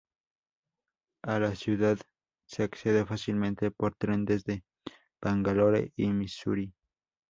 A la ciudad se accede fácilmente por tren desde Bangalore y Mysore.